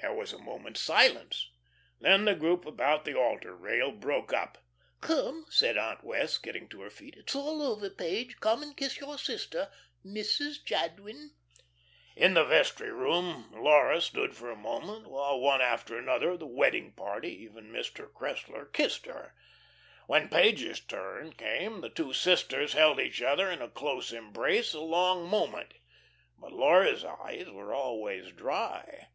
There was a moment's silence, then the group about the altar rail broke up. "Come," said Aunt Wess', getting to her feet, "it's all over, Page. Come, and kiss your sister Mrs. Jadwin." In the vestry room Laura stood for a moment, while one after another of the wedding party even Mr. Cressler kissed her. When Page's turn came, the two sisters held each other in a close embrace a long moment, but Laura's eyes were always dry.